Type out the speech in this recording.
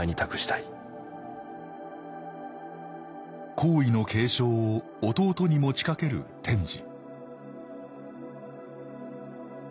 皇位の継承を弟に持ちかける天智